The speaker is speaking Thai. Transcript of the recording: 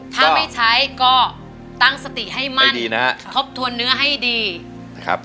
ถ้าไม่ใช้ก็ตั้งสติให้มั่นดีนะครับทบทวนเนื้อให้ดีนะครับ